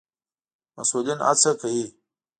مسئولين هڅه کوي